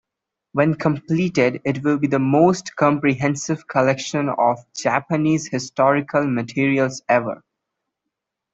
When completed, it will be the most comprehensive collection of Japanese historical materials ever.